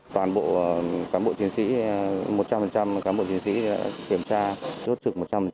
toàn bộ cán bộ chiến sĩ một trăm linh cán bộ chiến sĩ kiểm tra chốt trực một trăm linh